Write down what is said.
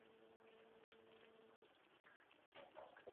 もーう